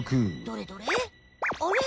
どれどれ？